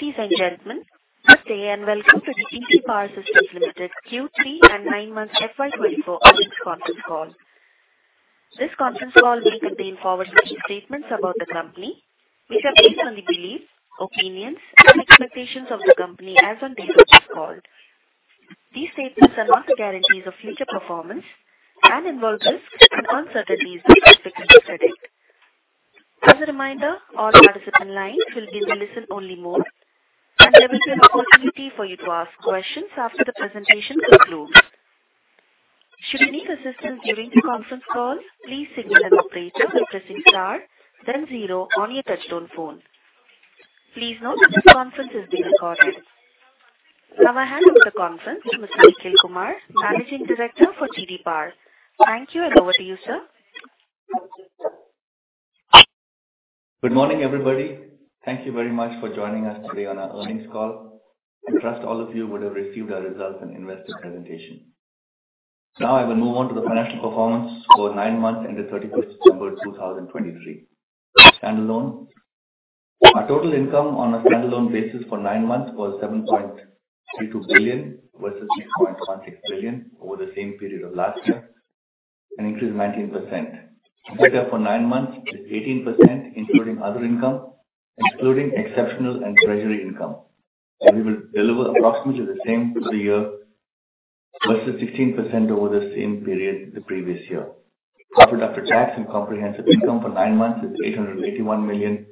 Ladies and gentlemen, good day, and welcome to the TD Power Systems Limited Q3 and nine months FY 2024 earnings conference call. This conference call may contain forward-looking statements about the company, which are based on the beliefs, opinions and expectations of the company as on date of this call. These statements are not guarantees of future performance and involve risks and uncertainties that are difficult to predict. As a reminder, all participant lines will be in the listen-only mode, and there will be an opportunity for you to ask questions after the presentation concludes. Should you need assistance during the conference call, please signal an operator by pressing star then zero on your touchtone phone. Please note that this conference is being recorded. I hand over the conference to Mr. Nikhil Kumar, Managing Director for TD Power. Thank you, and over to you, sir. Good morning, everybody. Thank you very much for joining us today on our earnings call. I trust all of you would have received our results and investor presentation. I will move on to the financial performance for nine months ended 31st September 2023. Standalone. Our total income on a standalone basis for nine months was 7.32 billion versus 6.16 billion over the same period of last year, an increase of 19%. EBITDA for nine months is 18%, including other income, excluding exceptional and treasury income. We will deliver approximately the same for the year versus 16% over the same period the previous year. Profit after tax and comprehensive income for nine months is 881 million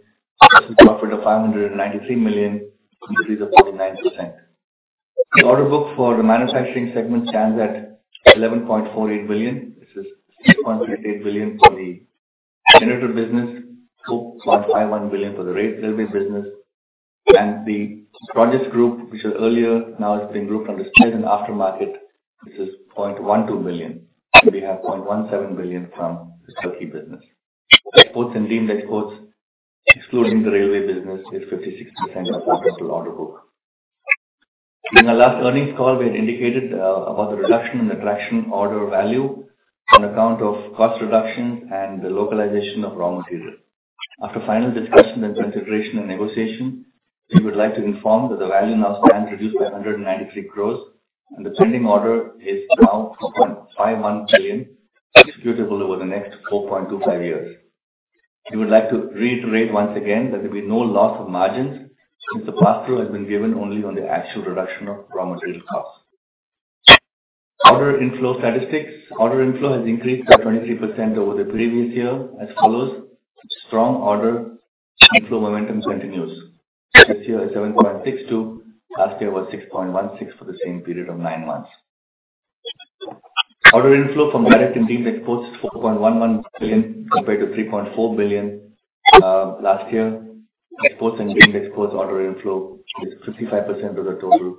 versus a profit of 593 million, an increase of 49%. The order book for the manufacturing segment stands at 11.48 billion. This is 6.88 billion for the generator business, 4.51 billion for the railway business. The projects group, which was earlier, now has been grouped under spares and aftermarket. This is 0.12 billion. We have 0.17 billion from the turnkey business. Exports and deemed exports, excluding the railway business, is 56% of the total order book. During our last earnings call, we had indicated about the reduction in the traction order value on account of cost reductions and the localization of raw materials. After final discussions and consideration and negotiation, we would like to inform that the value now stands reduced by 193 crores, and the pending order is now 4.51 billion, executable over the next 4.25 years. We would like to reiterate once again there will be no loss of margins since the pass-through has been given only on the actual reduction of raw material cost. Order inflow statistics. Order inflow has increased by 23% over the previous year as follows. Strong order inflow momentum continues. This year is 7.62 billion. Last year was 6.16 billion for the same period of nine months. Order inflow from direct and deemed exports, 4.11 billion compared to 3.4 billion last year. Exports and deemed exports order inflow is 55% of the total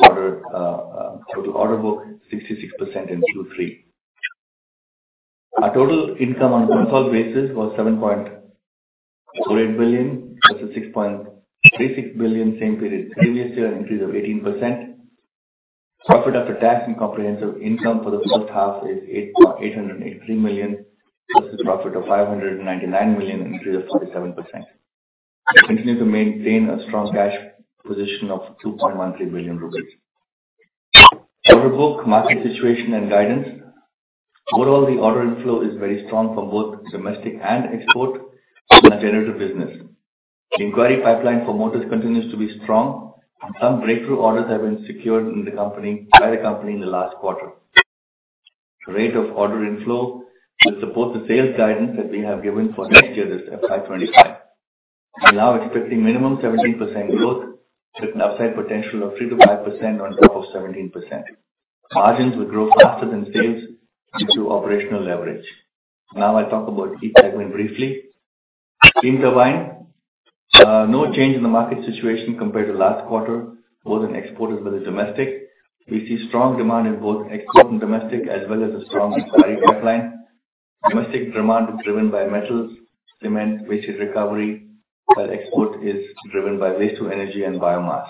order book, 66% in Q3. Our total income on a consolidated basis was 7.48 billion versus 6.36 billion same period the previous year, an increase of 18%. Profit after tax and comprehensive income for the first half is 883 million versus a profit of 599 million, an increase of 47%. We continue to maintain a strong cash position of 2.13 billion rupees. Order book, market situation and guidance. Overall, the order inflow is very strong for both domestic and export in our generator business. The inquiry pipeline for motors continues to be strong, and some breakthrough orders have been secured by the company in the last quarter. The rate of order inflow will support the sales guidance that we have given for next year, that's FY 2025. We are now expecting minimum 17% growth with an upside potential of 3%-5% on top of 17%. Margins will grow faster than sales due to operational leverage. I will talk about each segment briefly. Steam turbine. No change in the market situation compared to last quarter, both in export as well as domestic. We see strong demand in both export and domestic, as well as a strong inquiry pipeline. Domestic demand is driven by metals, cement, waste heat recovery, while export is driven by waste to energy and biomass.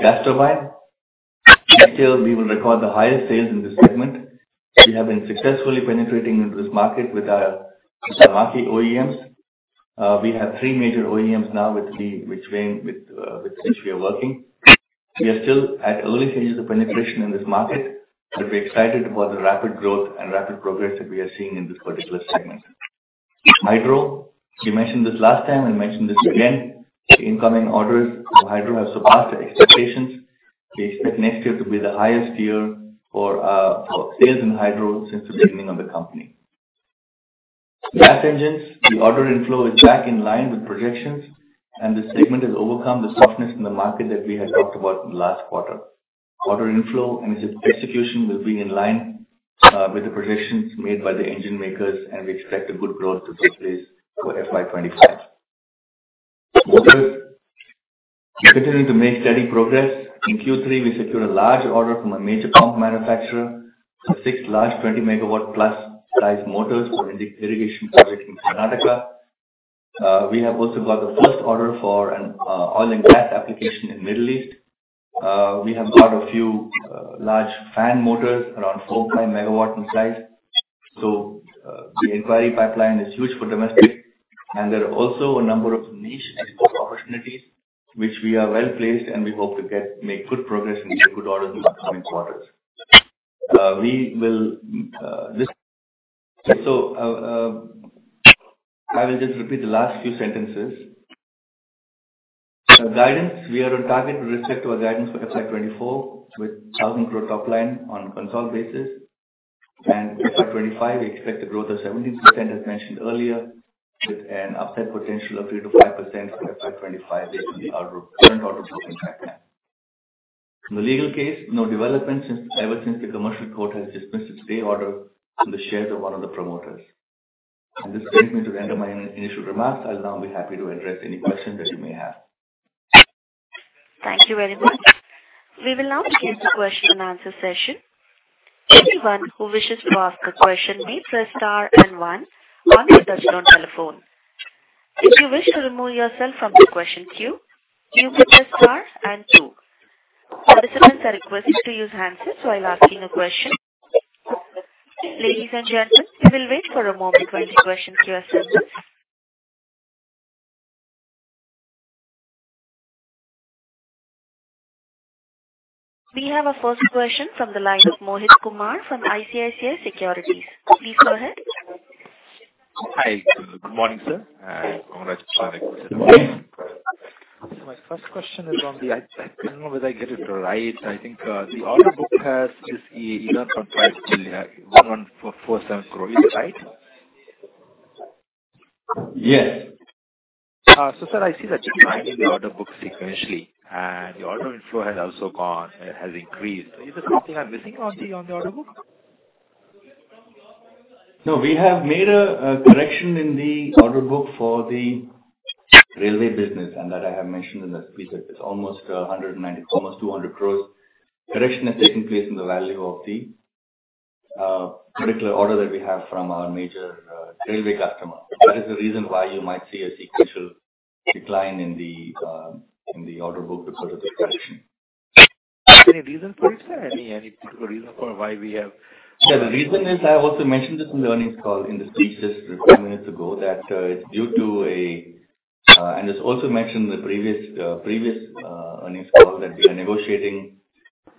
Gas turbine. We will record the highest sales in this segment. We have been successfully penetrating into this market with our marquee OEMs. We have three major OEMs now with which we are working. We are still at early stages of penetration in this market, we are excited about the rapid growth and rapid progress that we are seeing in this particular segment. Hydro. We mentioned this last time, we mention this again. Incoming orders for hydro have surpassed our expectations. We expect next year to be the highest year for sales in hydro since the beginning of the company. Gas engines. The order inflow is back in line with projections, the segment has overcome the softness in the market that we had talked about in the last quarter. Order inflow and execution will be in line with the projections made by the engine makers, we expect a good growth to take place for FY 2025. Motors. We are continuing to make steady progress. In Q3, we secured a large order from a major pump manufacturer for six large 20-megawatt plus size motors for an irrigation project in Karnataka. We have also got the first order for an oil and gas application in Middle East. We have got a few large fan motors around 4/5 megawatt in size. The inquiry pipeline is huge for domestic, there are also a number of niche export opportunities which we are well-placed, we hope to make good progress and get good orders in the coming quarters. I will just repeat the last few sentences. For guidance, we are on target with respect to our guidance for FY 2024, with 1,000 crore top line on a consolidated basis. FY 2025, we expect a growth of 17%, as mentioned earlier, with an upside potential of 3%-5% for FY 2025 based on the current order book impact. On the legal case, no development ever since the commercial court has dispensed its stay order on the shares of one of the promoters. This brings me to the end of my initial remarks. I will now be happy to address any questions that you may have. Thank you very much. We will now begin the question and answer session. Anyone who wishes to ask a question may press star and one on your touchtone telephone. If you wish to remove yourself from the question queue, you may press star and two. Participants are requested to use handsets while asking a question. Ladies and gentlemen, we will wait for a moment while the question queue assesses. We have our first question from the line of Mohit Kumar from ICICI Securities. Please go ahead. Hi, good morning, sir, and congratulations on a good set of earnings. My first question is on the, I don't know whether I get it right. I think, the order book has this 11,470 crore. Is it right? Yes. Sir, I see the decline in the order book sequentially, and the order inflow has increased. Is there something I am missing on the order book? No. We have made a correction in the order book for the railway business, that I have mentioned in the preset. It is almost 200 crores. Correction has taken place in the value of the particular order that we have from our major railway customer. That is the reason why you might see a sequential decline in the order book because of the correction. Any reason for it, sir? Any particular reason for why we have Yeah, the reason is, I have also mentioned this in the earnings call in the speech just a few minutes ago, it is also mentioned in the previous earnings call, that we are negotiating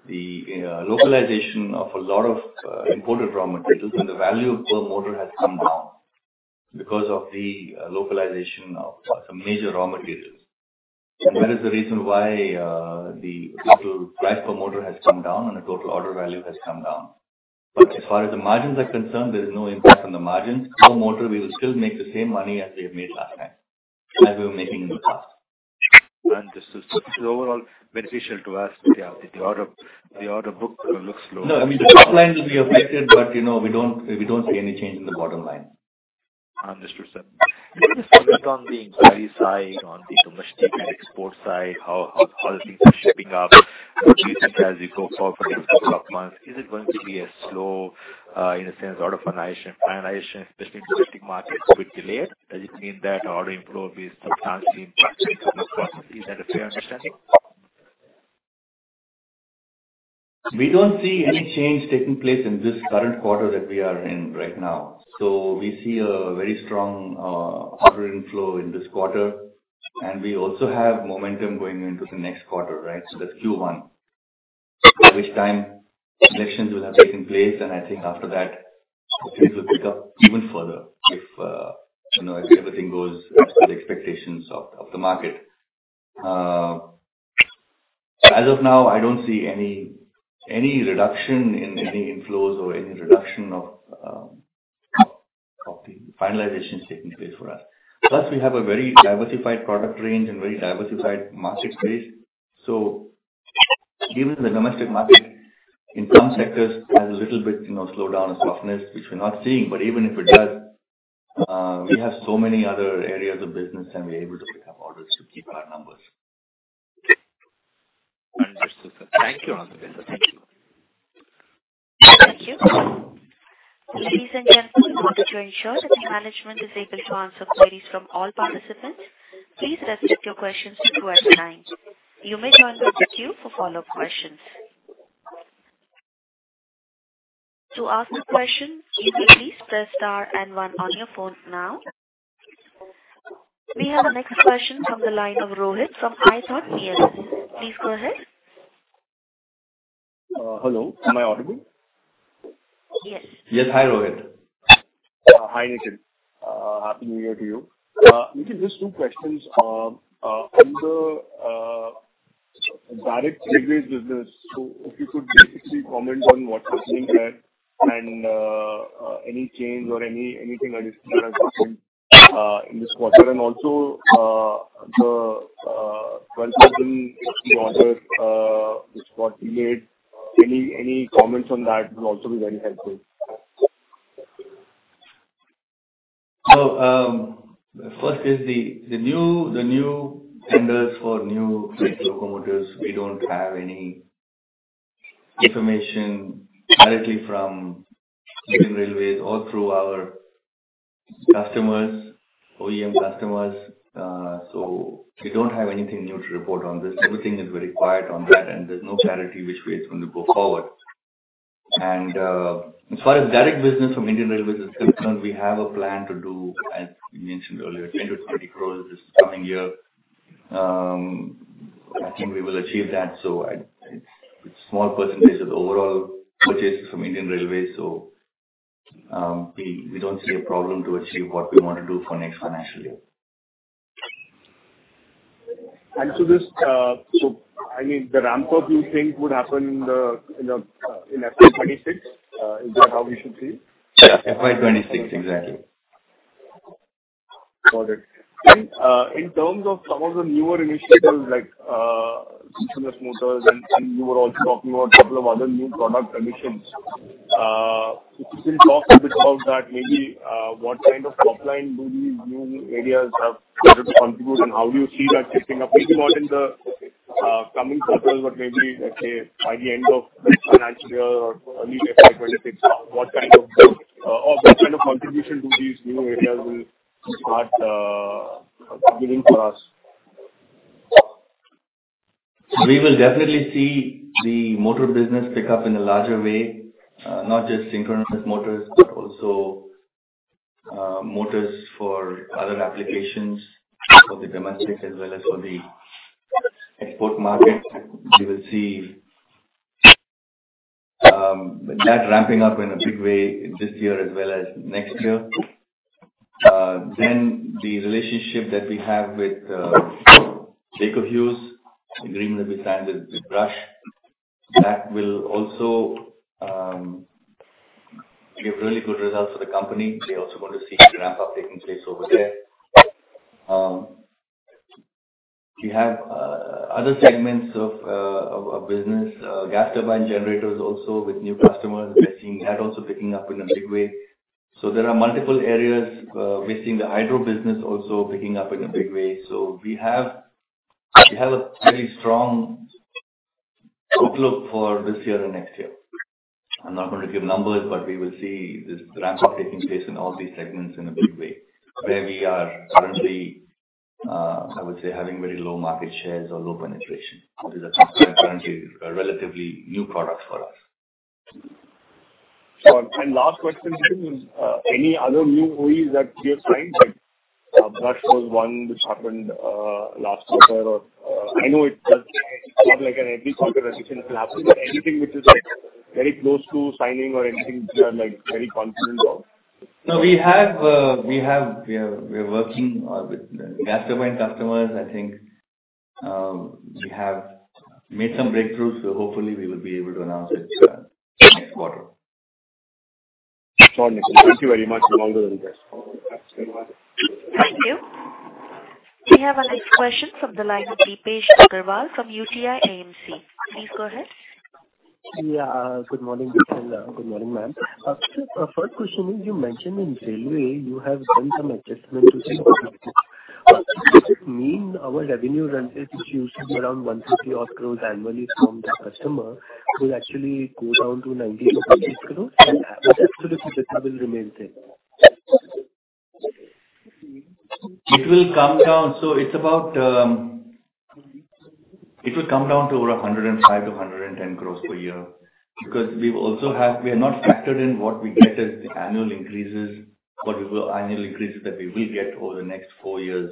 the localization of a lot of imported raw materials, the value per motor has come down because of the localization of some major raw materials. That is the reason why the total price per motor has come down, and the total order value has come down. As far as the margins are concerned, there is no impact on the margins per motor. We will still make the same money as we have made last time, as we were making in the past. This is overall beneficial to us. Yeah. The order book looks low. No. The top line will be affected, but we don't see any change in the bottom line. Understood, sir. Can you just speak on the inquiry side, on the domestic and export side, how things are shaping up quarter after quarter for the next couple of months? Is it going to be a slow, in a sense, order finalization, especially in domestic markets, a bit delayed? Does it mean that order inflow is substantially impacted in this quarter? Is that a fair understanding? We don't see any change taking place in this current quarter that we are in right now. We see a very strong order inflow in this quarter, and we also have momentum going into the next quarter, right? That's Q1. By which time, elections will have taken place, and I think after that, things will pick up even further if everything goes as per the expectations of the market. As of now, I don't see any reduction in any inflows or any reduction of the finalizations taking place for us. Plus, we have a very diversified product range and very diversified markets base. Even if the domestic market in some sectors has a little bit slowdown or softness, which we're not seeing, but even if it does, we have so many other areas of business and we're able to pick up orders to keep our numbers. Understood, sir. Thank you. Thank you. Ladies and gentlemen, in order to ensure that the management is able to answer queries from all participants, please restrict your questions to two at a time. You may join the queue for follow-up questions. To ask a question, you may please press star and one on your phone now. We have the next question from the line of Rohit from iThought PMS. Please go ahead. Hello, am I audible? Yes. Yes. Hi, Rohit. Hi, Nitin. Happy New Year to you. Nitin, just two questions. On the direct railways business, if you could basically comment on what you're seeing there and any change or anything additional in this quarter. Also the order this quarter made. Any comments on that will also be very helpful. First is the new tenders for new freight locomotives. We don't have any information directly from Indian Railways or through our customers, OEM customers. We don't have anything new to report on this. Everything is very quiet on that, and there's no clarity which way it's going to go forward. As far as direct business from Indian Railways is concerned, we have a plan to do, as we mentioned earlier, 20 to 20 crores this coming year. I think we will achieve that. It's a small percentage of the overall purchases from Indian Railways, so we don't see a problem to achieve what we want to do for next financial year. The ramp-up, you think, would happen in FY 2026. Is that how we should see it? Sure. FY 2026, exactly. Got it. In terms of some of the newer initiatives like synchronous motors, you were also talking about a couple of other new product additions. If you can talk a bit about that, maybe what kind of top line do these new areas have started to contribute, How do you see that shaping up, maybe not in the coming quarters, but maybe, let's say, by the end of this financial or early FY 2026, what kind of contribution do these new areas will start giving for us? We will definitely see the motor business pick up in a larger way. Not just synchronous motors, but also motors for other applications for the domestic as well as for the export market. We will see that ramping up in a big way this year as well as next year. The relationship that we have with Baker Hughes, the agreement that we signed with Brush, that will also give really good results for the company. We are also going to see ramp-up taking place over there. We have other segments of our business, gas turbine generators also with new customers. We are seeing that also picking up in a big way. There are multiple areas. We are seeing the hydro business also picking up in a big way. We have a fairly strong outlook for this year and next year. I'm not going to give numbers, but we will see this ramp-up taking place in all these segments in a big way where we are currently, I would say, having very low market shares or low penetration. These are currently relatively new products for us. Sure. Last question, sir, any other new OEMs that you're signed? Like Brush was one which happened last quarter, or I know it's not like an every quarter addition happening, but anything which is very close to signing or anything which you are very confident of? No, we're working with gas turbine customers. I think we have made some breakthroughs, so hopefully we will be able to announce it next quarter. Sorry. Thank you very much. Longer than best. Thank you. We have our next question from the line of Deepesh Agarwal from UTI AMC. Please go ahead. Yeah. Good morning, Deepesh, and good morning, ma'am. Akshit, first question is, you mentioned in railway you have done some adjustment to Does it mean our revenue run rate, which used to be around 150 crore odd annually from that customer, will actually go down to 90 crore-95 crore? How much will EBITDA remain same? It will come down. It will come down to over 105 crore-110 crore per year. We have not factored in what we get as the annual increases, but annual increases that we will get over the next four years,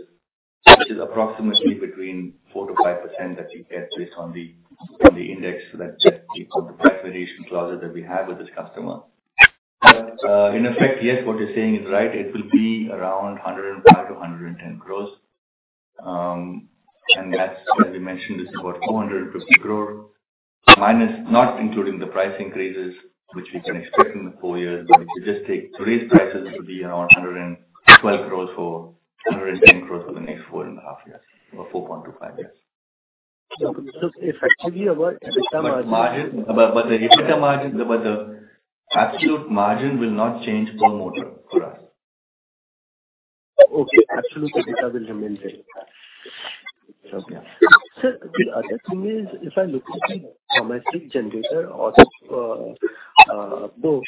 which is approximately between 4%-5% that we get based on the index for the price variation clauses that we have with this customer. In effect, yes, what you're saying is right. It will be around 105 crore-110 crore. As we mentioned, this is about 450 crore, minus, not including the price increases which we can expect in the four years. If you just take today's prices, it will be around 112 crore or 110 crore for the next four and a half years, or 4.25 years. effectively, our EBITDA margin- The absolute margin will not change per motor for us. Okay. Absolutely. EBITDA will remain same. Copy that. Sir, the other thing is, if I look at the domestic generator order book,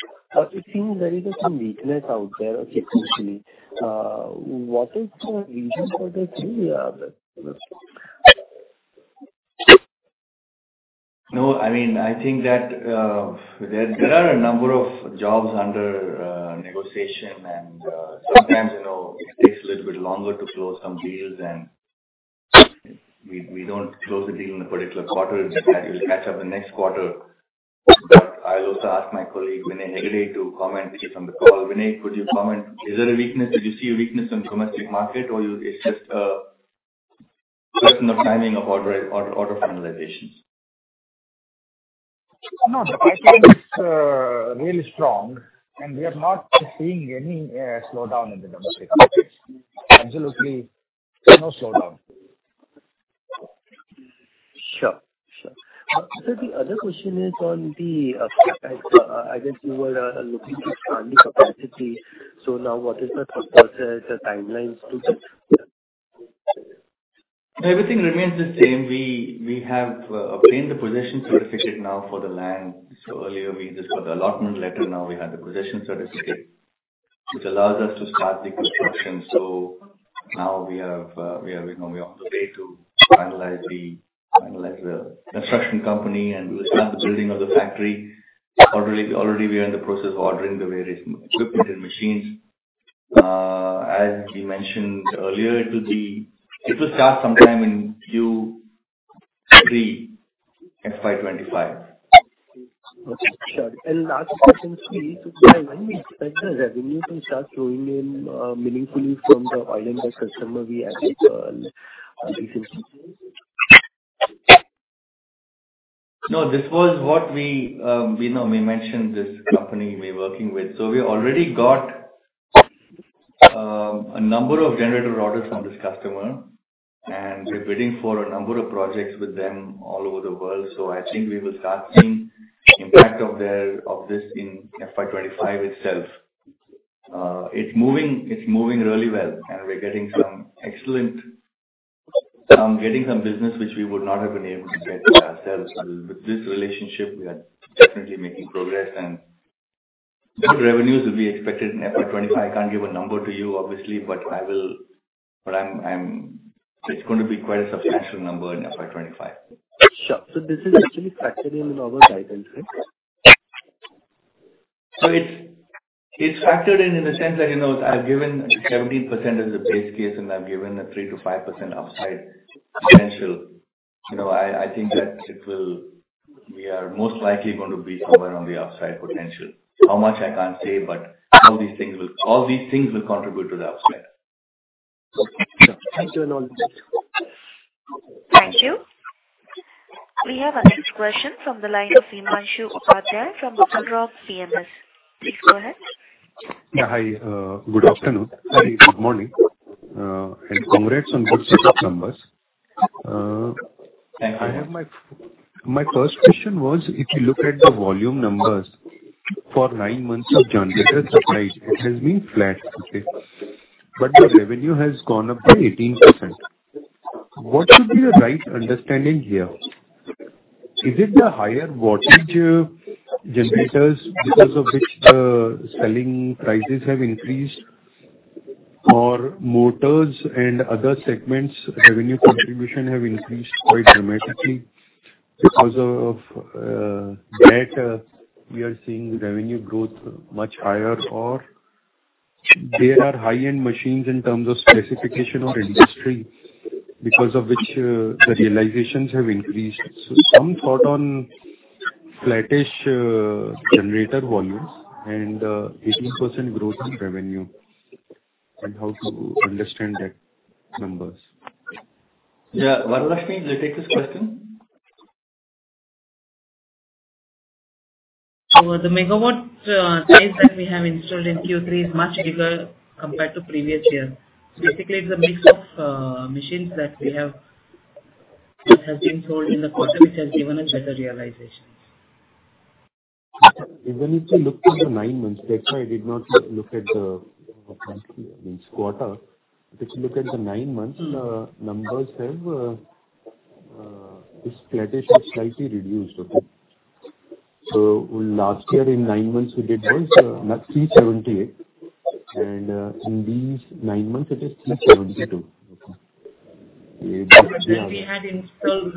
it seems there is some weakness out there or seasonally. What is the reason for the same? No, I think that there are a number of jobs under negotiation, and sometimes it takes a little bit longer to close some deals, and we don't close the deal in a particular quarter. It will catch up in the next quarter. I'll also ask my colleague, Vinay Hegde, to comment here from the call. Vinay, could you comment? Is there a weakness? Did you see a weakness in domestic market, or it's just a question of timing of order finalizations? No, the pipeline is really strong, and we are not seeing any slowdown in the domestic markets. Absolutely no slowdown. Sure. Sir, the other question is on the, I guess you were looking to expand the capacity. Now what is the thought process, the timelines? Everything remains the same. We have obtained the possession certificate now for the land. Earlier we just got the allotment letter, now we have the possession certificate, which allows us to start the construction. Now we are on the way to finalize the construction company, and we'll start the building of the factory. Already we are in the process of ordering the various equipment and machines. As we mentioned earlier, it will start sometime in Q3 FY 2025. Okay. Sure. Last question when we expect the revenue to start flowing in meaningfully from the oil and gas customer we acquired recently? No, this was what we mentioned this company we are working with. We already got a number of generator orders from this customer, and we are bidding for a number of projects with them all over the world. I think we will start seeing impact of this in FY 2025 itself. It is moving really well and we are getting some excellent business, which we would not have been able to get by ourselves. With this relationship, we are definitely making progress and good revenues will be expected in FY 2025. I cannot give a number to you, obviously, but it is going to be quite a substantial number in FY 2025. Sure. This is actually factored in our guidance, right? It is factored in the sense that, I have given 17% as a base case, and I have given a 3%-5% upside potential. I think that we are most likely going to be somewhere on the upside potential. How much I cannot say, but all these things will contribute to the upside. Okay. Sure. Thank you. Thank you. We have our next question from the line of Himanshu Bajaj from Roha PMS. Please go ahead. Yeah. Hi, good afternoon. Good morning. Congrats on good set of numbers. Thank you. My first question was, if you look at the volume numbers for nine months of generator supply, it has been flat. Okay? The revenue has gone up by 18%. What should be a right understanding here? Is it the higher wattage generators because of which the selling prices have increased, or motors and other segments revenue contribution have increased quite dramatically because of that we are seeing revenue growth much higher? They are high-end machines in terms of specification or industry, because of which the realizations have increased. Some thought on flattish generator volumes and 18% growth in revenue, and how to understand that numbers. Yeah. Varalakshmi, will you take this question? The megawatt types that we have installed in Q3 is much bigger compared to previous year. Basically, it is a mix of machines that has been sold in the quarter, which has given us better realization. Even if you look at the nine months, that is why I did not look at each quarter. If you look at the nine months, numbers have flattish or slightly reduced. Okay? Last year in nine months, we did was 378, and in these nine months it is 372. Okay? We had installed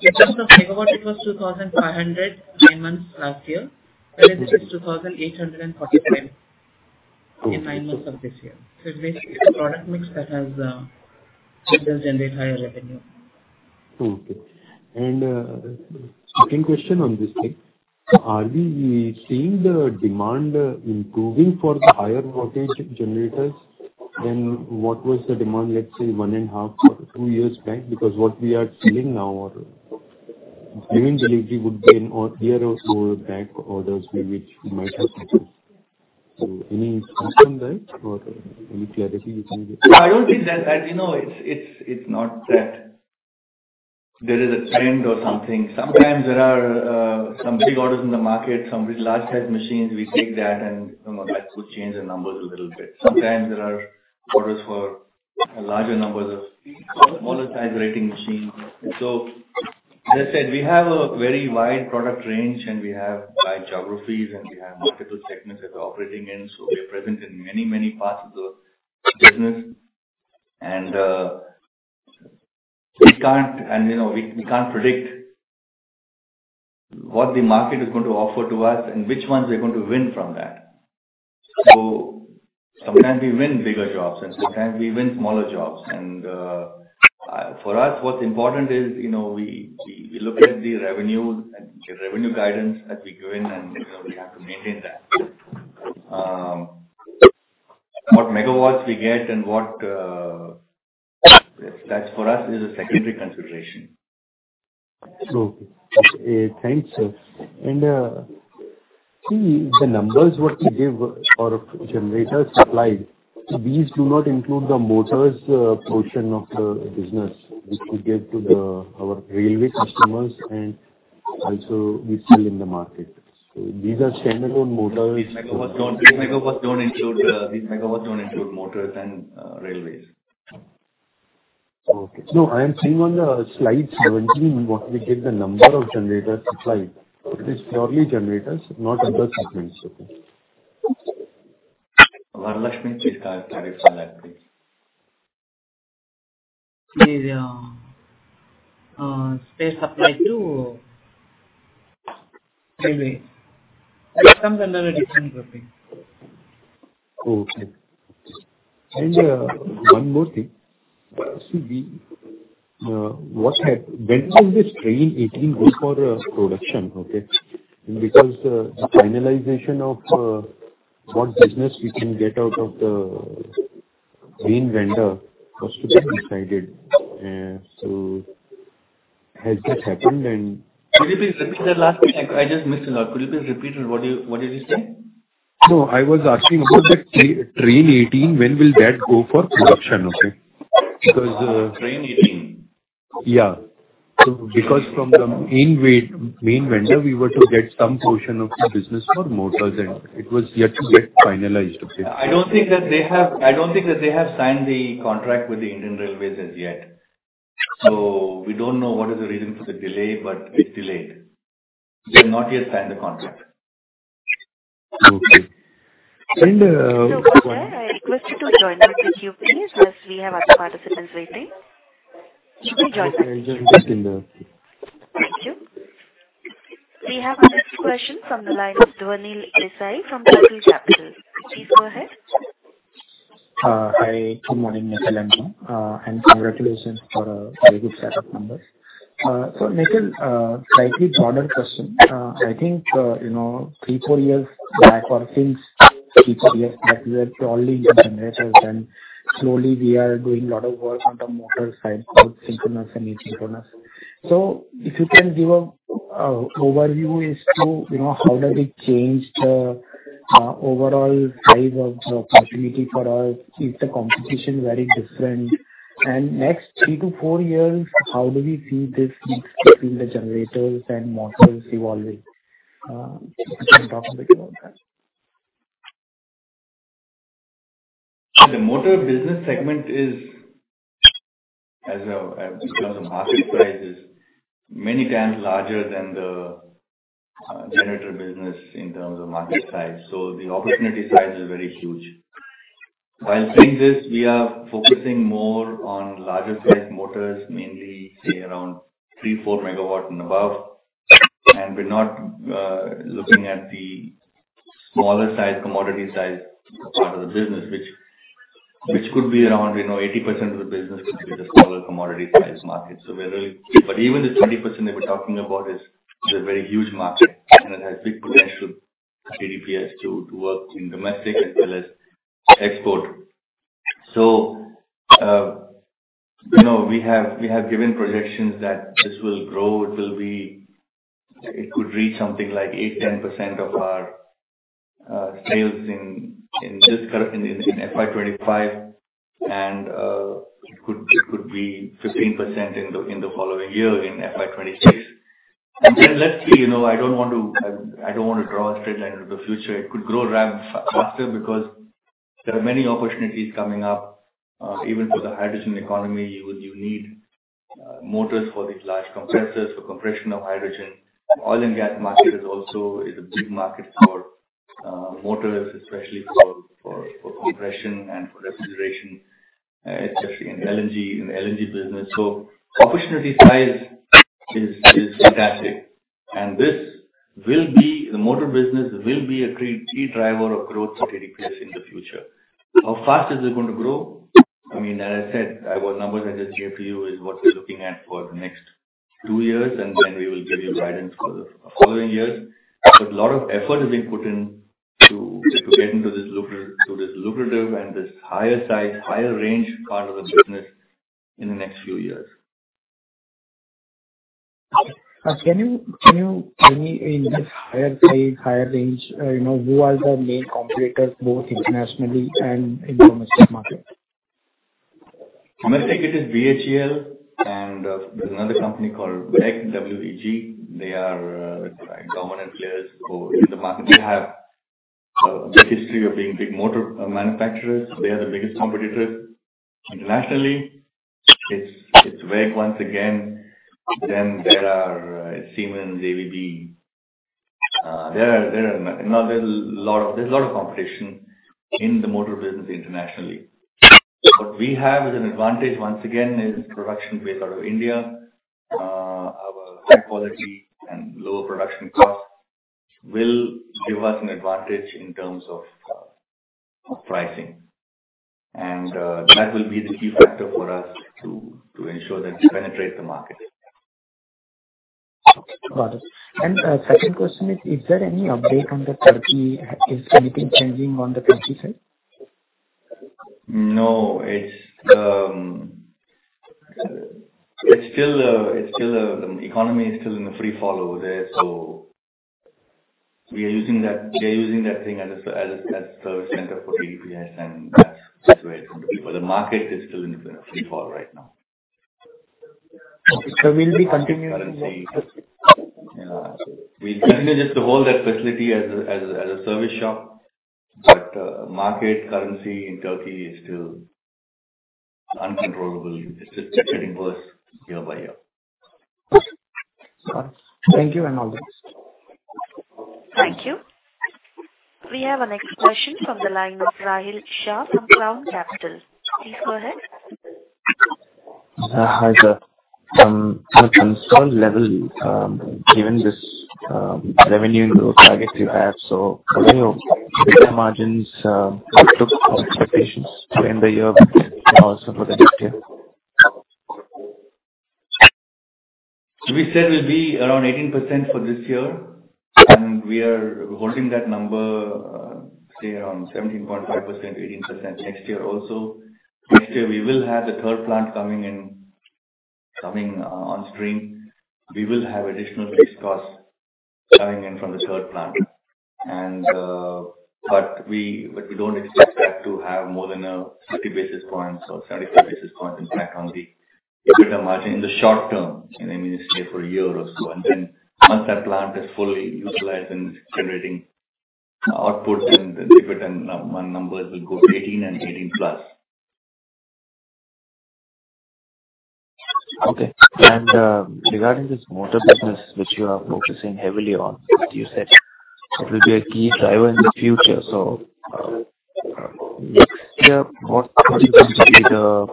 in terms of megawatt, it was 2,509 months last year, and this is 2,849 in nine months of this year. It is basically the product mix that has helped us generate higher revenue. Okay. Second question on this thing, are we seeing the demand improving for the higher wattage generators than what was the demand, let's say, one and a half or two years back? Because what we are selling now or giving delivery would be a year or so back orders which might have. Any thoughts on that or any clarity you can give? I don't think that. It's not that there is a trend or something. Sometimes there are some big orders in the market, some very large size machines. We take that and that could change the numbers a little bit. Sometimes there are orders for larger numbers of smaller size rating machines. As I said, we have a very wide product range, and we have wide geographies, and we have multiple segments that we're operating in. We are present in many parts of the business. We can't predict what the market is going to offer to us and which ones we're going to win from that. Sometimes we win bigger jobs and sometimes we win smaller jobs. For us, what's important is, we look at the revenue and the revenue guidance that we give, and we have to maintain that. What megawatts we get. That for us is a secondary consideration. Okay, thanks, sir. See the numbers what you give for generator supplied, these do not include the motors portion of the business which we give to our railway customers. Also, we sell in the market. These are standalone motors. These megawatts don't include motors and railways. Okay. No, I am seeing on the slide 17 what we get the number of generator supply. It is purely generators, not other segments. Okay. Varalakshmi, please clarify that, please. It is there supplied to railway. That comes under a different grouping. Okay. One more thing. When will this Train 18 go for production? Okay. Because the finalization of what business we can get out of the main vendor was to be decided. Has that happened? Could you please repeat that last question? I just missed it out. Could you please repeat what did you say? No, I was asking about that Train 18, when will that go for production? Okay. Train 18. Yeah. From the main vendor, we were to get some portion of the business for motors, and it was yet to get finalized. Okay. I don't think that they have signed the contract with the Indian Railways as yet. We don't know what is the reason for the delay, but it's delayed. They've not yet signed the contract. Okay. Mr. Gowda, I request you to join the queue, please, as we have other participants waiting. You may join the queue. Okay, I'll join the queue. Thank you. We have our next question from the line of Dhvanil Desai from Circle Capital. Please go ahead. Hi, good morning, Nikhil and team, and congratulations for a very good set of numbers. Nikhil, slightly broader question. I think three, four years back, or since three, four years back, we were purely into generators, and slowly we are doing a lot of work on the motor side, both synchronous and asynchronous. If you can give an overview as to how does it change the overall size of the opportunity for us, is the competition very different? Next three to four years, how do we see this mix between the generators and motors evolving? If you can talk a bit about that. The motor business segment is, in terms of market size, is many times larger than the generator business in terms of market size, the opportunity size is very huge. While saying this, we are focusing more on larger size motors, mainly, say, around 3, 4 megawatt and above. We're not looking at the smaller size, commodity size part of the business, which could be around 80% of the business could be the smaller commodity size market. But even the 20% that we're talking about is a very huge market, and it has big potential for TDPS to work in domestic as well as export. We have given projections that this will grow. It could reach something like 8%, 10% of our sales in FY 2025, and it could be 15% in the following year in FY 2026. Let's see, I don't want to draw a straight line into the future. It could grow faster because there are many opportunities coming up. Even for the hydrogen economy, you need motors for these large compressors, for compression of hydrogen. Oil and gas market also is a big market for motors, especially for compression and for refrigeration, especially in the LNG business. Opportunity size is fantastic, and the motor business will be a key driver of growth for TDPS in the future. How fast is it going to grow? As I said, our numbers I just gave to you is what we're looking at for the next 2 years, and then we will give you guidance for the following years. A lot of effort is being put in to get into this lucrative and this higher size, higher range part of the business in the next few years. Can you tell me in this higher size, higher range, who are the main competitors, both internationally and in domestic market? Domestic, it is BHEL, there's another company called WEG, W-E-G. They are dominant players who in the market have a big history of being big motor manufacturers. They are the biggest competitors. Internationally, it's WEG once again. There are Siemens, ABB. There's a lot of competition in the motor business internationally. We have as an advantage once again is production base out of India. Our high quality and lower production cost will give us an advantage in terms of pricing, and that will be the key factor for us to ensure that we penetrate the market. Got it. Second question is: Is there any update on the Turkey side? No. The economy is still in a free fall over there. We are using that thing as a service center for TDPS, and that's where it's going to be. The market is still in free fall right now. Okay. We'll be continuing. Currency. We continue just to hold that facility as a service shop. Market, currency in Turkey is still uncontrollable. It's just getting worse year by year. Got it. Thank you, and all the best. Thank you. We have our next question from the line of Rahil Shah from Crown Capital. Please go ahead. Hi, sir. The concern level, given this revenue growth guidance you have, what are your EBITDA margins, ROCE expectations to end the year, but also for the next year? We said we'll be around 18% for this year, and we are holding that number, say, around 17.5%, 18% next year also. Next year, we will have the third plant coming on stream. We will have additional fixed costs coming in from the third plant. We don't expect that to have more than a 50 basis points or 35 basis points impact on the EBITDA margin in the short term. I mean, say, for a year or so. Once that plant is fully utilized and generating output, then the EBITDA numbers will go to 18 and 18 plus. Okay. Regarding this motor business, which you are focusing heavily on, you said it will be a key driver in the future. Next year, what specifically the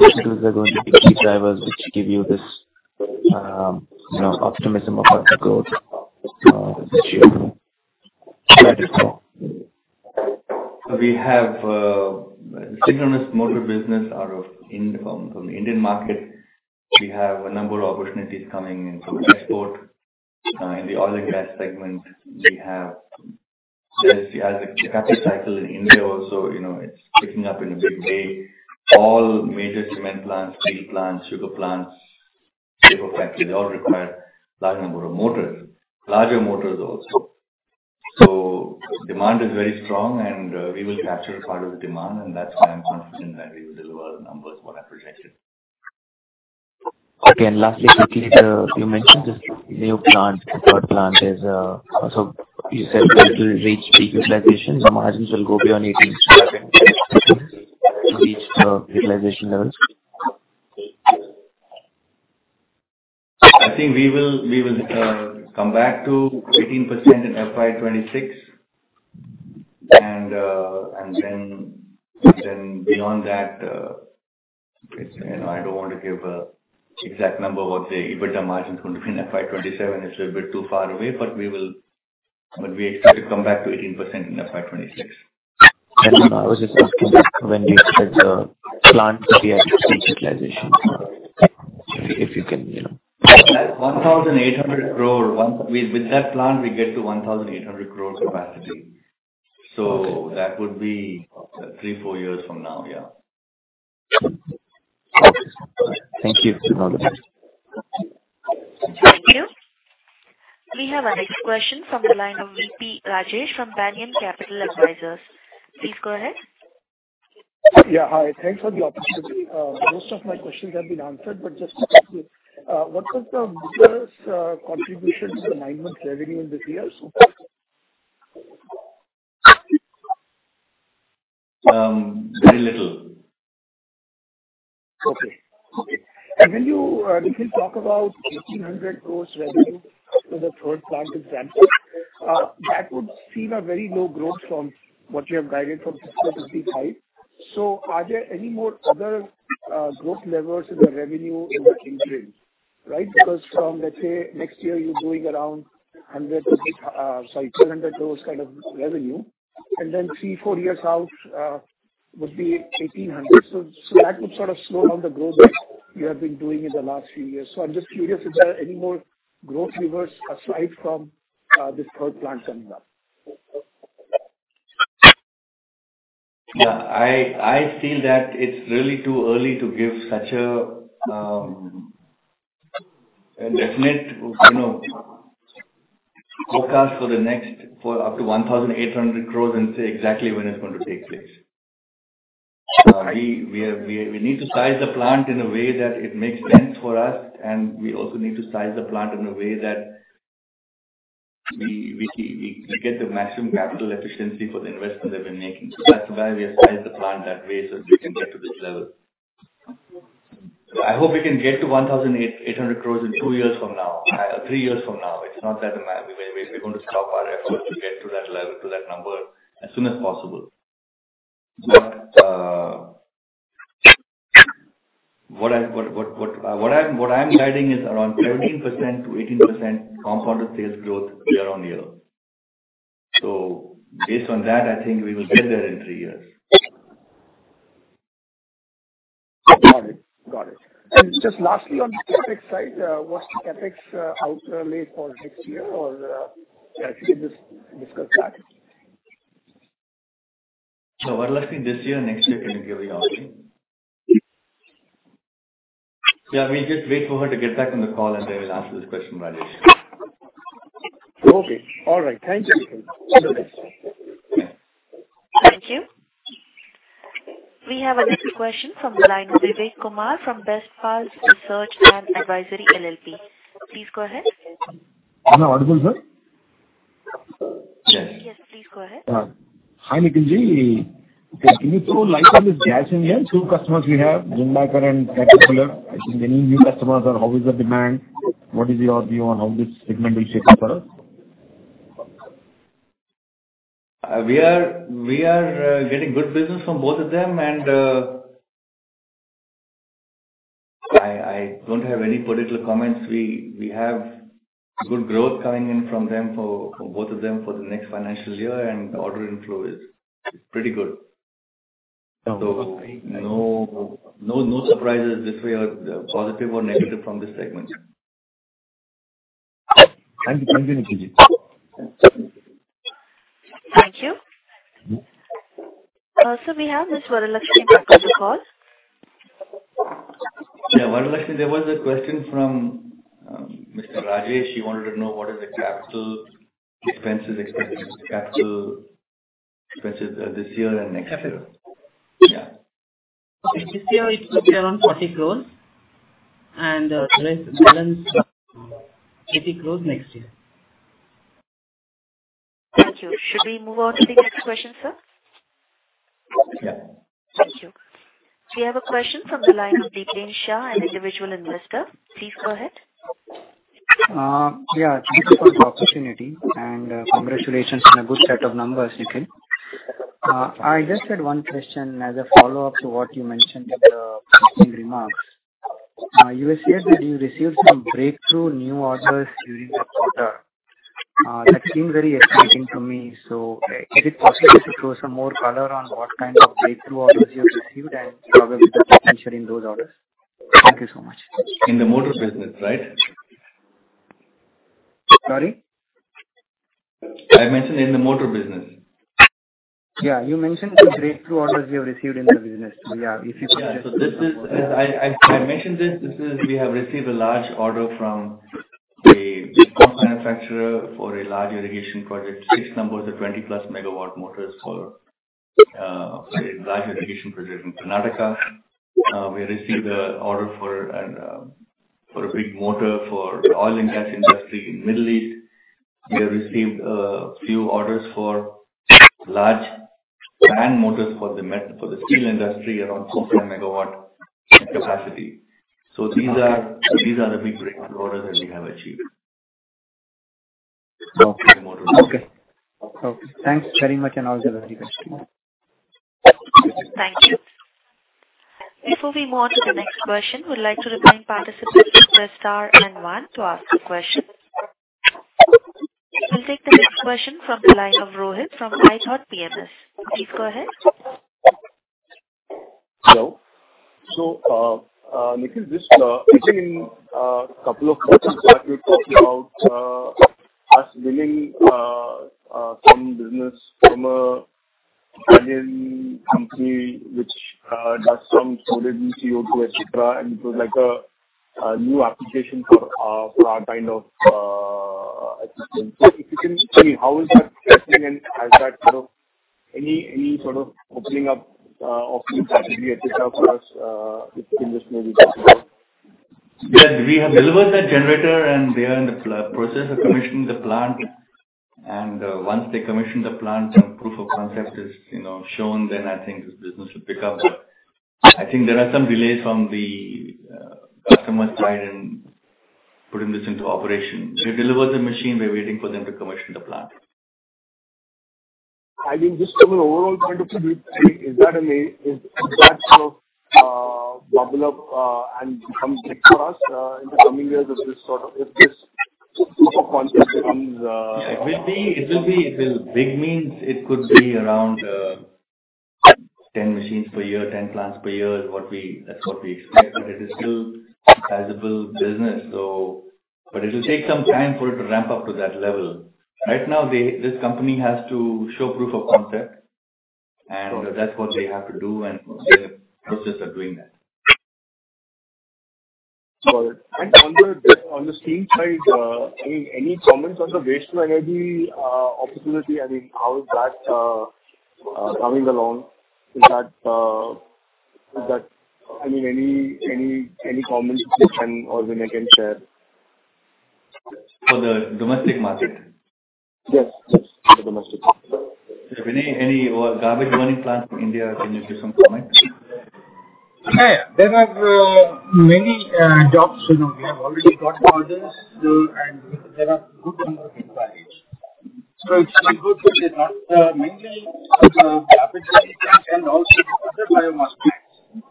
motors are going to be key drivers which give you this optimism of how to go this year going forward? We have a synchronous motor business out of the Indian market. We have a number of opportunities coming in from export. In the oil and gas segment, we have as a captive cycle in India also, it's picking up in a big way. All major cement plants, steel plants, sugar plants, paper factories, all require large number of motors, larger motors also. Demand is very strong and we will capture part of the demand and that's why I'm confident that we will deliver the numbers what I projected. Okay. Lastly, quickly, you mentioned this new plant, the third plant is also, you said it will reach peak utilization. The margins will go beyond 18.5% to reach the utilization levels. I think we will come back to 18% in FY 2026. Beyond that, I don't want to give an exact number of the EBITDA margin going to be in FY 2027. It's a bit too far away. We expect to come back to 18% in FY 2026. I was just asking when you said the plant will be at peak utilization. Actually, if you can- 1,800 crore. With that plant, we get to 1,800 crore capacity. Okay. That would be three, four years from now. Yeah. Thank you. All the best. Thank you. We have our next question from the line of V.P. Rajesh from Banyan Capital Advisors. Please go ahead. Yeah, hi. Thanks for the opportunity. Most of my questions have been answered, but just to confirm, what was the business contribution to the nine months revenue in this year? Very little. Okay. When you recently talk about 1,800 crores revenue for the third plant in Tumkur, that would seem a very low growth from what you have guided from FY 2025. Are there any more other growth levers in the revenue in the king chain? Because from, let's say, next year, you're doing around 100 crores kind of revenue, and then three, four years out would be 1,800. That would sort of slow down the growth rate you have been doing in the last few years. I'm just curious if there are any more growth levers aside from this third plant coming up. Yeah. I feel that it's really too early to give such a definite forecast for up to 1,800 crore and say exactly when it's going to take place. We need to size the plant in a way that it makes sense for us, and we also need to size the plant in a way that we get the maximum capital efficiency for the investment that we're making. That's why we have sized the plant that way so that we can get to this level. I hope we can get to 1,800 crore in two years from now, three years from now. It's not that we're going to stop our efforts to get to that level, to that number as soon as possible. What I'm guiding is around 13%-18% compounded sales growth year-on-year. Based on that, I think we will get there in three years. Got it. Just lastly, on the CapEx side, what's the CapEx outlay for next year or actually just discuss that. We're looking this year and next year kind of giving the outlay. Yeah, we'll just wait for her to get back on the call, and then we'll answer this question, Rajesh. Okay. All right. Thank you. Thank you. We have a next question from the line of Vivek Kumar from Best Friends Research and Advisory LLP. Please go ahead. Am I audible, sir? Yes, please go ahead. Hi, Nikhil. Can you throw light on this Jaisinghya? Two customers we have, Jindal and Tata Steel. I think many new customers are always in demand. What is your view on how this segment will shape up for us? We are getting good business from both of them. I don't have any particular comments. We have good growth coming in from both of them for the next financial year. Order inflow is pretty good. No surprises if we are positive or negative from this segment. Thank you, Nikhil. Thank you. Sir, we have this Varalakshmi back on the call. Yeah, Varalakshmi, there was a question from Mr. Rajesh. He wanted to know what is the capital expenses expected this year and next year. This year it's around 40 crores and the balance 80 crores next year. Thank you. Should we move on to the next question, sir? Yeah. Thank you. We have a question from the line of Deepen Shah, an individual investor. Please go ahead. Yeah. Thank you for the opportunity and congratulations on a good set of numbers, Nikhil. I just had one question as a follow-up to what you mentioned in the opening remarks. You said that you received some breakthrough new orders during the quarter. That seems very exciting to me. Is it possible just to throw some more color on what kind of breakthrough orders you have received and probably the potential in those orders? Thank you so much. In the motor business, right? Sorry? I mentioned in the motor business. Yeah, you mentioned some breakthrough orders you have received in the business. I mentioned this. We have received a large order from a pump manufacturer for a large irrigation project which numbers at 20-plus megawatt motors for a large irrigation project in Karnataka. We received an order for a big motor for oil and gas industry in Middle East. We have received a few orders for large fan motors for the steel industry around 2 megawatt capacity. These are the big breakthrough orders that we have achieved. Thanks very much and all the best. Thank you. Before we move on to the next question, we would like to remind participants to press star and one to ask a question. We'll take the next question from the line of Rohit from iThought PMS. Please go ahead. Hello. Nikhil, just within a couple of quarters back, you were talking about us winning some business from an Italian company which does some storage and CO2, et cetera, and it was like a new application for our kind of equipment. If you can just tell me, how is that progressing and has that sort of any sort of opening up of new category et cetera for us, if you can just maybe talk about. Yes, we have delivered that generator and they are in the process of commissioning the plant. Once they commission the plant and proof of concept is shown, then I think this business should pick up. I think there are some delays from the customer's side in putting this into operation. We delivered the machine, we're waiting for them to commission the plant. I mean, just from an overall point of view, is that sort of bubble up and become big for us in the coming years if this proof of concept becomes- It will be. Big means it could be around 10 machines per year, 10 plants per year. That's what we expect, but it is still a sizable business, but it will take some time for it to ramp up to that level. Right now, this company has to show proof of concept, and that's what they have to do, and they're in the process of doing that. Got it. On the steam side, any comments on the waste to energy opportunity? I mean, how is that coming along? I mean, any comments you can or Vineet can share. For the domestic market? Yes. Just for domestic. Vineet, any garbage burning plant from India, can you give some comments? Yeah. There are many jobs. We have already got orders, there are good number of inquiries. It's looking good, mainly garbage burning plant and also other biomass plants.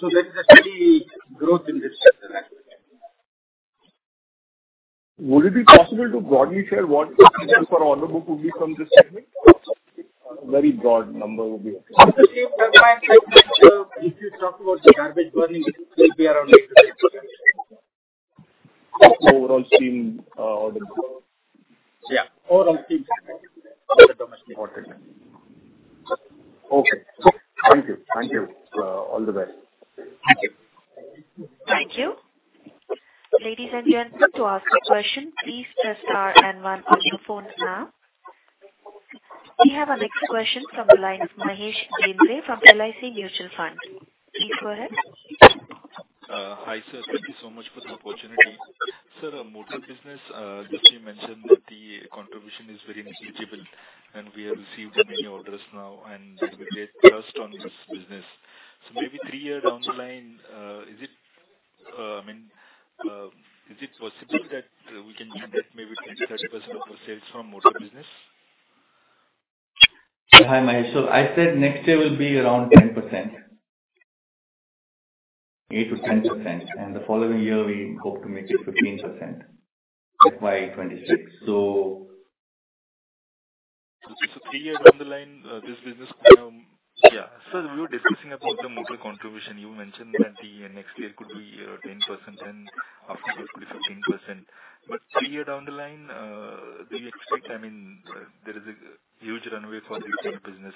There is a steady growth in this segment actually. Would it be possible to broadly share what the potential for order book would be from this segment? Some very broad number would be okay. As of today, right now, if you talk about the garbage burning, it will be around Overall scheme, order book. Yeah, overall scheme domestically ordered. Okay. Thank you. Thank you. All the best. Thank you. Thank you. Ladies and gentlemen, to ask a question, please press star and one on your phone now. We have our next question from the line of Mahesh Gendre from LIC Mutual Fund. Please go ahead. Hi, sir. Thank you so much for the opportunity. Sir, motor business, just you mentioned that the contribution is very negligible, and we have received many orders now and there is a great thrust on this business. Maybe three years down the line, is it possible that we can get maybe 30% of our sales from motor business? Hi, Mahesh. I said next year will be around 10%, 8%-10%, the following year, we hope to make it 15%. That's by 2026. 3 years down the line, this business. Sir, we were discussing about the motor contribution. You mentioned that next year could be 10%, after a year could be 15%. 3 years down the line, do you expect, there is a huge runway for this kind of business?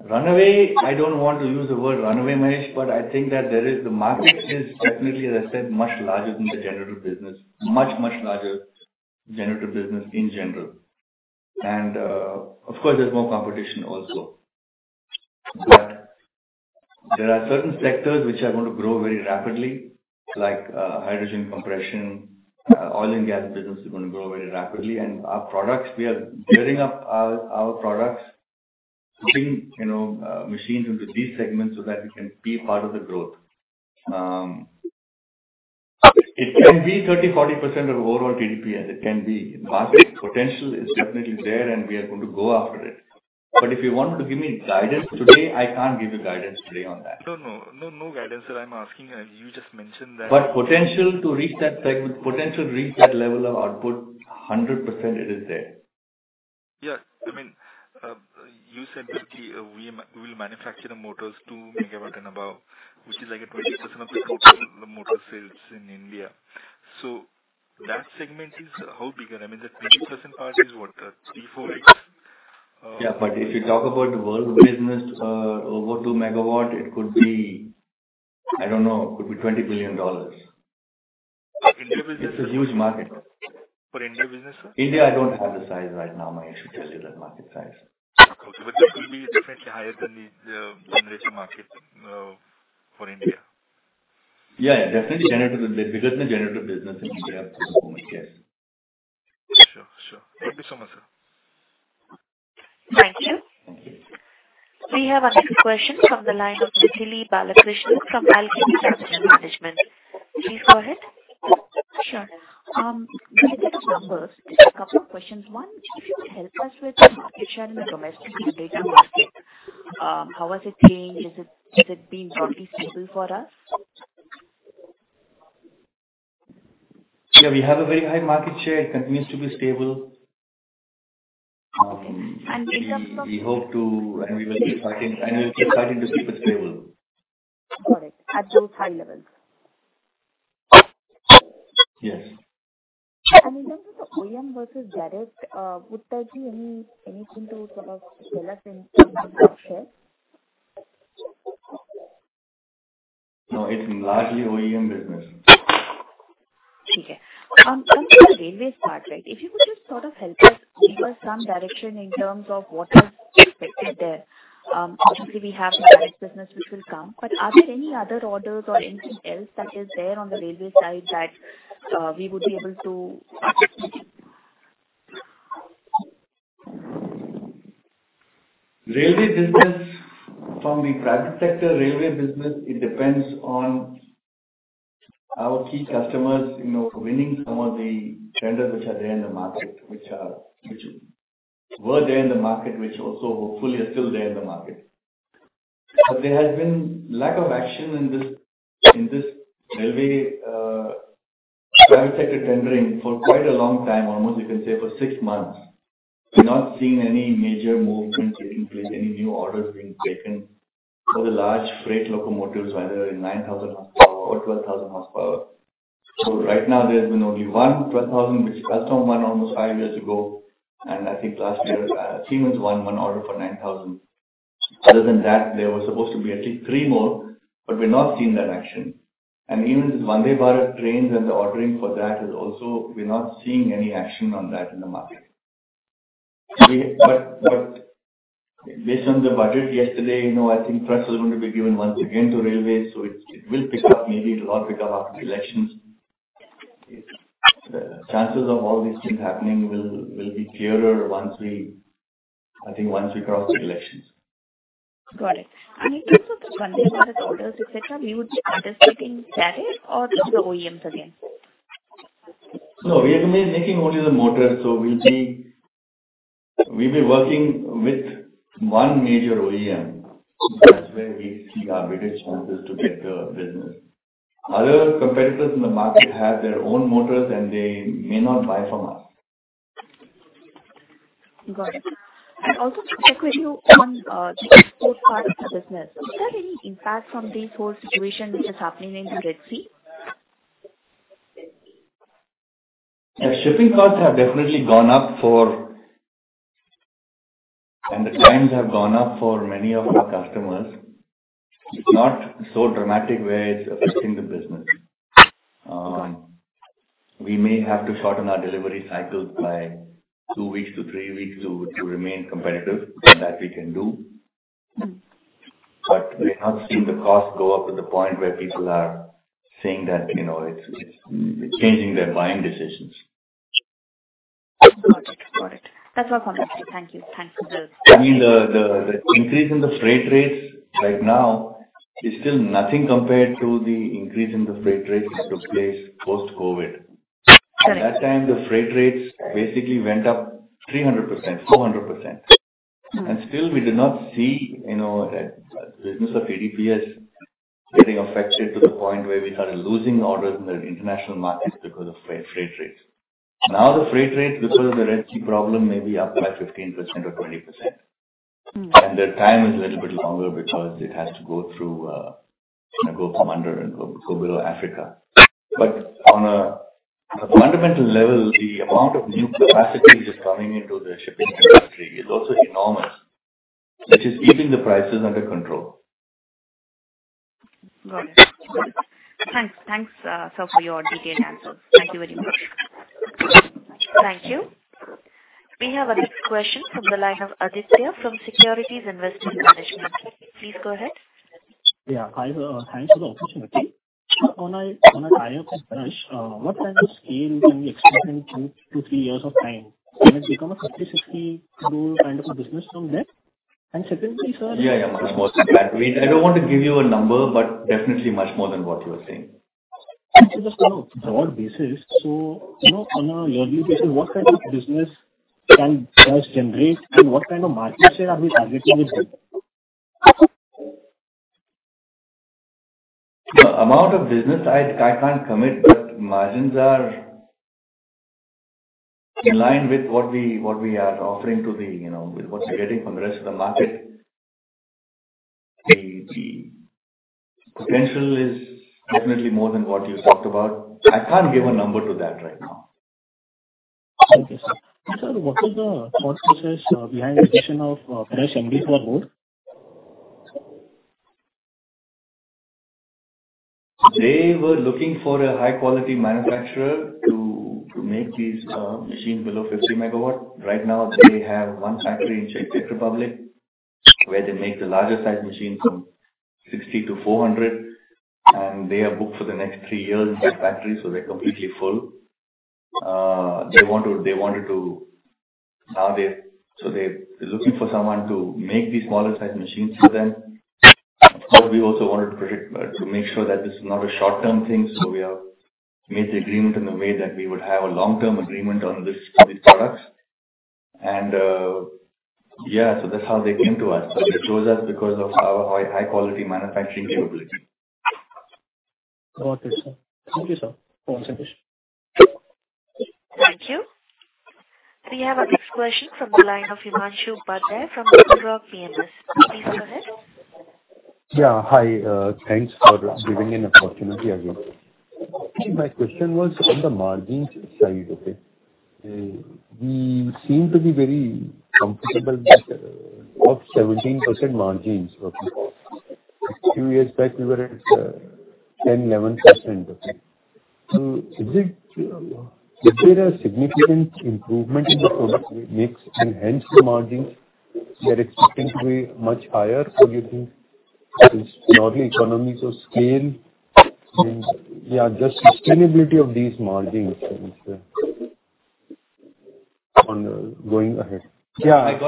Runway, I don't want to use the word runway, Mahesh. I think that there is the market is definitely, as I said, much larger than the generator business. Much larger generator business in general. Of course, there's more competition also. There are certain sectors which are going to grow very rapidly, like hydrogen compression, oil and gas business is going to grow very rapidly. Our products, we are gearing up our products, putting machines into these segments so that we can be part of the growth. It can be 30%-40% of overall TDPS, yes, it can be. Market potential is definitely there. We are going to go after it. If you want to give me guidance today, I can't give you guidance today on that. No, no. No guidance, sir. I'm asking, you just mentioned. Potential to reach that segment, potential to reach that level of output, 100% it is there. You said that we will manufacture the motors 2 MW and above, which is like a 20% of the motor sales in India. That segment is how bigger? I mean, that 20% part is what? Three, four, right? If you talk about the world business, over 2 MW, it could be, I don't know, it could be $20 billion. India business? It's a huge market. For India business, sir? India, I don't have the size right now, Mahesh, to tell you that market size. Okay. This will be definitely higher than the generator market for India. Yeah, definitely bigger than generator business in India at this moment. Yes. Sure. Thank you so much, sir. Thank you. Thank you. We have our next question from the line of Mithili Balakrishnan from Alchemy Asset Management. Please go ahead. Sure. Looking at the numbers, just a couple of questions. One, if you could help us with the market share in the domestic generator market. How is it doing? Has it been roughly stable for us? Yeah, we have a very high market share. It continues to be stable. Okay. We hope to, and we will be fighting to keep it stable. Got it. At those high levels. Yes. In terms of the OEM versus direct, would that be anything to sort of tell us in terms of the mix there? No, it's largely OEM business. Okay. Coming to the railway part, right. If you could just sort of help us, give us some direction in terms of what is expected there. Obviously, we have the direct business which will come, but are there any other orders or anything else that is there on the railway side that we would be able to Railway business, from the private sector railway business, it depends on our key customers winning some of the tenders which are there in the market, which were there in the market, which also hopefully are still there in the market. There has been lack of action in this railway private sector tendering for quite a long time, almost you can say for six months. We have not seen any major movement taking place, any new orders being taken for the large freight locomotives, either in 9,000 horsepower or 1,200 horsepower. Right now there has been only one 1,200, which Customs won almost five years ago. I think last year, Siemens won one order for 9,000. Other than that, there were supposed to be at least three more, but we are not seeing that action. Even this Vande Bharat trains and the ordering for that is also, we are not seeing any action on that in the market. Based on the budget yesterday, I think thrust is going to be given once again to railways, it will pick up, maybe it will all pick up after the elections. The chances of all these things happening will be clearer I think, once we cross the elections. Got it. In terms of Vande Bharat orders, et cetera, we would be participating direct or through the OEMs again? No, we are making only the motor. We'll be working with one major OEM. That's where we see our better chances to get the business. Other competitors in the market have their own motors, and they may not buy from us. Got it. I also want to check with you on the export part of the business. Is there any impact from this whole situation which is happening in the Red Sea? The shipping costs have definitely gone up, and the times have gone up for many of our customers. It's not so dramatic where it's affecting the business. We may have to shorten our delivery cycles by two weeks to three weeks to remain competitive. That we can do. We have not seen the cost go up to the point where people are saying that it's changing their buying decisions. Got it. That's all from my side. Thank you. I mean, the increase in the freight rates right now is still nothing compared to the increase in the freight rates that took place post-COVID. Right. At that time, the freight rates basically went up 300%, 400%. Still we did not see that business of TDPS getting affected to the point where we started losing orders in the international markets because of freight rates. Now the freight rates because of the Red Sea problem may be up by 15% or 20%. The time is a little bit longer because it has to go under and go below Africa. On a fundamental level, the amount of new capacity which is coming into the shipping industry is also enormous, which is keeping the prices under control. Got it. Thanks, sir, for your detailed answers. Thank you very much. Thank you. We have our next question from the line of Aditya from Securities Investment Management. Please go ahead. Yeah. Hi. Thanks for the opportunity. On an EPS basis, what kind of scale can we expect in two to three years of time? Can it become a 50/50 rule kind of a business from there? Secondly, sir. Yeah. Much more than that. I don't want to give you a number, but definitely much more than what you are saying. Just on a broad basis. On a yearly basis, what kind of business can GE generate, and what kind of market share are we targeting with that? The amount of business, I can't commit, but margins are in line with what we are offering to the, with what we're getting from the rest of the market. The potential is definitely more than what you talked about. I can't give a number to that right now. Okay, sir. Sir, what is the thought process behind the addition of Paresh MB to our board? They were looking for a high-quality manufacturer to make these machines below 50 MW. Right now they have one factory in Czech Republic where they make the larger size machines from 60 to 400, and they are booked for the next 3 years in that factory, so they're completely full. They're looking for someone to make these smaller size machines for them. We also wanted to make sure that this is not a short-term thing, so we have made the agreement in a way that we would have a long-term agreement on these products. Yeah, that's how they came to us. They chose us because of our high-quality manufacturing capability. Got it, sir. Thank you, sir. Over. Thank you. We have our next question from the line of Himanshu Upadhyay from Roha PMS. Please go ahead. Hi. Thanks for giving me an opportunity again. My question was on the margins side, okay. We seem to be very comfortable with off 17% margins, okay. A few years back, we were at 10%, 11%, okay. Was there a significant improvement in the product mix and hence the margins that expecting to be much higher? Or you think it's more the economies of scale, and just sustainability of these margins going ahead? I got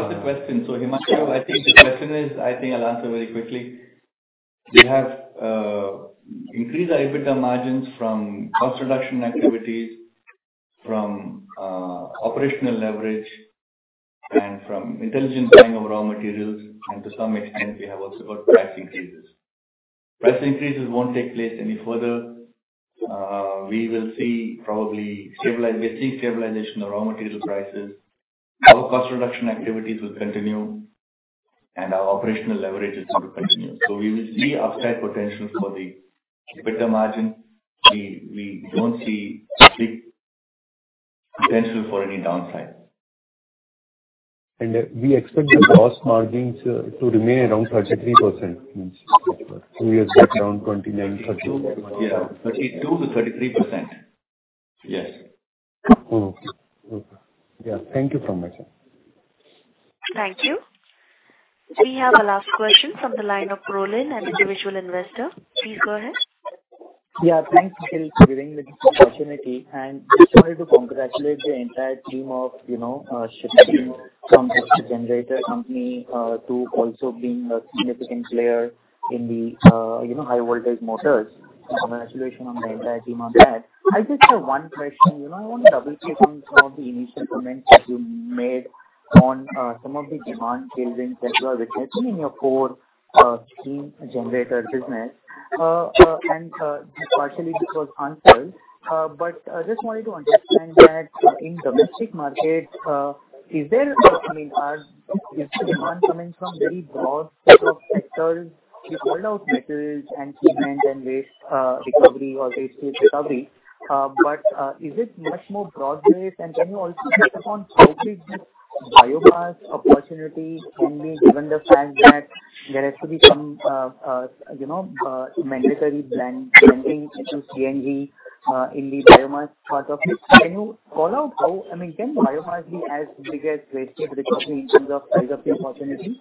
the question. Himanshu, I think the question is, I think I'll answer very quickly. We have increased our EBITDA margins from cost reduction activities, from operational leverage, and from intelligent buying of raw materials, and to some extent, we have also got price increases. Price increases won't take place any further. We will see probably stabilization of raw material prices. Our cost reduction activities will continue, and our operational leverage is going to continue. We will see upside potential for the EBITDA margin. We don't see a big potential for any downside. We expect the gross margins to remain around 33%? Two years back it was around 29, 30. Yeah, 32%-33%. Yes. Okay. Yeah. Thank you so much, sir. Thank you. We have our last question from the line of Rolin, an individual investor. Please go ahead. Yeah. Thanks for giving the opportunity. I just wanted to congratulate the entire team of shifting from just a generator company, to also being a significant player in the high voltage motors. Congratulations on the entire team on that. I just have one question. I want to double-check on some of the initial comments that you made on some of the demand tailwinds as well, which has been in your core steam generator business, and partially this was answered. I just wanted to understand that in domestic markets, is the demand coming from very broad set of sectors? You called out metals and cement and waste recovery or waste heat recovery. Is it much more broad-based? Can you also touch upon how big this biomass opportunity can be, given the fact that there has to be some mandatory blending, at least CNG, in the biomass part of it. Can the biomass be as big as waste heat recovery in terms of size of the opportunity?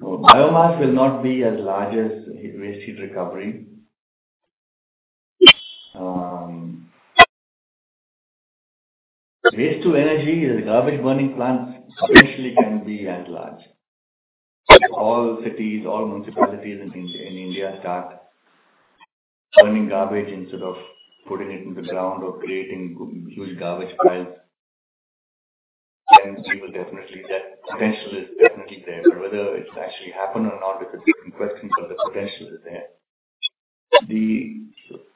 Biomass will not be as large as waste heat recovery. Yes. Waste to energy as a garbage burning plant especially can be as large. If all cities, all municipalities in India start burning garbage instead of putting it in the ground or creating huge garbage piles, then that potential is definitely there. Whether it's actually happened or not is a different question. The potential is there.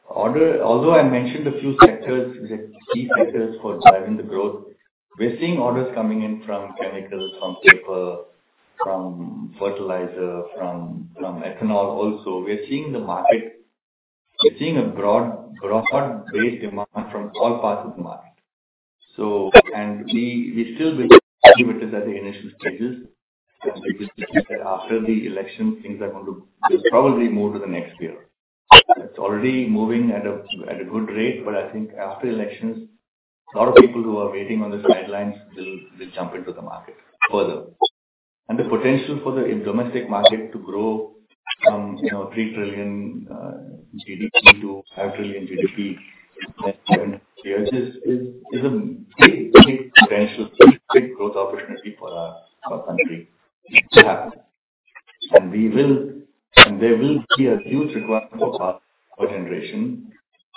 Although I mentioned a few sectors, the key sectors for driving the growth, we're seeing orders coming in from chemicals, from paper, from fertilizer, from ethanol also. We're seeing a broad-based demand from all parts of the market. We still believe that the initial stages, after the election, things are going to probably move to the next year. It's already moving at a good rate. I think after elections, a lot of people who are waiting on the sidelines will jump into the market further. The potential for the domestic market to grow from $3 trillion GDP to $5 trillion GDP is a big potential, big growth opportunity for our country to have. There will be a huge requirement for power generation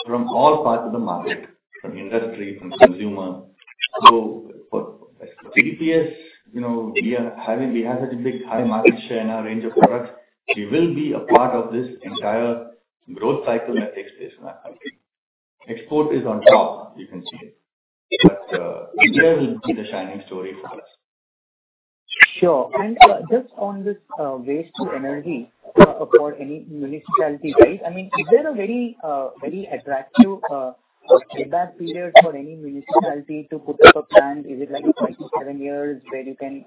from all parts of the market, from industry, from consumer. For TDPS, we have such a big high market share in our range of products. We will be a part of this entire growth cycle that takes place in our country. Export is on top, you can say. India will be the shining story for us. Sure. Just on this waste to energy for any municipality, is there a very attractive payback period for any municipality to put up a plant? Is it like 5 to 7 years where you can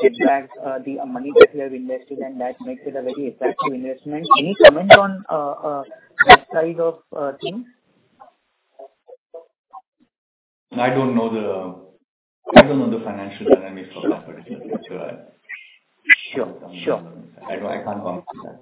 get back the money that you have invested and that makes it a very attractive investment? Any comment on that side of things? I don't know the financial dynamics of that particular picture. Sure. I can't comment on that.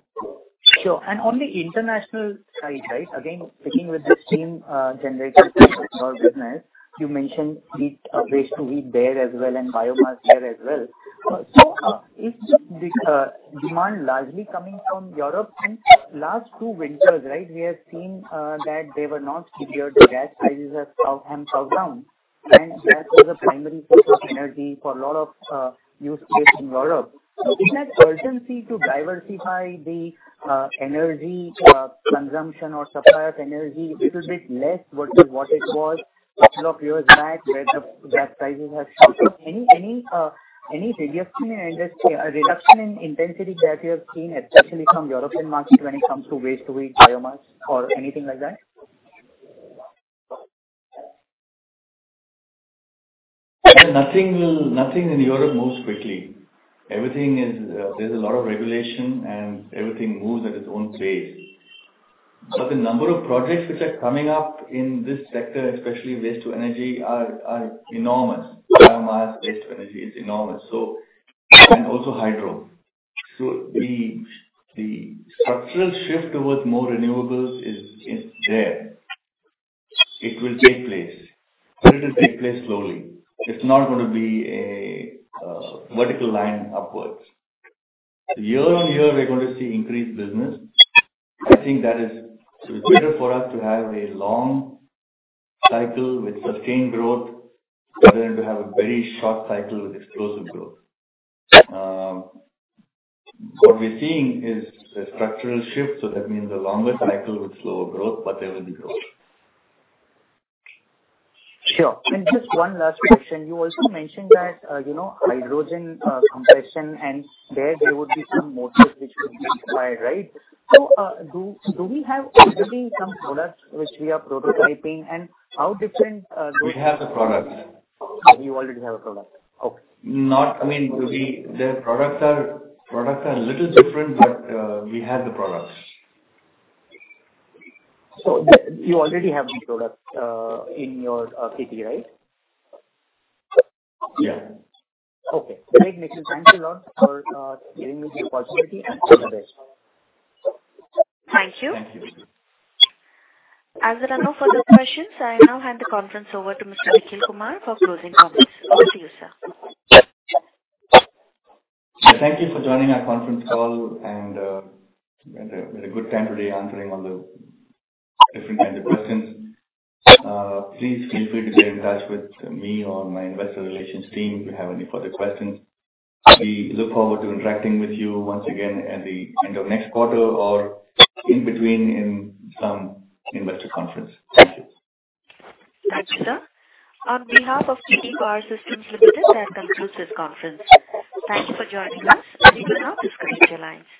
Sure. On the international side, again, sticking with the same generated power business, you mentioned waste to heat there as well, and biomass there as well. Is the demand largely coming from Europe? In last two winters, we have seen that they were not severe. The gas prices have come down, and that was a primary source of energy for a lot of use case in Europe. Is that urgency to diversify the energy consumption or supply of energy little bit less versus what it was a couple of years back where the gas prices have shifted? Any reduction in intensity that you have seen, especially from European market when it comes to waste to heat biomass or anything like that? Nothing in Europe moves quickly. There's a lot of regulation, and everything moves at its own pace. The number of projects which are coming up in this sector, especially waste to energy, are enormous. Biomass waste to energy is enormous. Also hydro. The structural shift towards more renewables is there. It will take place, but it will take place slowly. It's not going to be a vertical line upwards. Year-on-year, we're going to see increased business. I think that it's better for us to have a long cycle with sustained growth rather than to have a very short cycle with explosive growth. What we're seeing is a structural shift, so that means a longer cycle with slower growth, but there will be growth. Sure. Just one last question. You also mentioned that hydrogen compression, and there would be some motors which could be applied, right? Do we have already some products which we are prototyping, and how different We have the product. You already have a product. Okay. The products are a little different, but we have the products. You already have the product in your TP, right? Yeah. Okay, great. Nikhil, thanks a lot for giving me the opportunity, and all the best. Thank you. Thank you. As there are no further questions, I now hand the conference over to Mr. Nikhil Kumar for closing comments. Over to you, sir. Thank you for joining our conference call. We had a good time today answering all the different kinds of questions. Please feel free to get in touch with me or my investor relations team if you have any further questions. We look forward to interacting with you once again at the end of next quarter or in between in some investor conference. Thank you. Thank you, sir. On behalf of TD Power Systems Limited, I conclude this conference. Thank you for joining us. You can now disconnect your lines.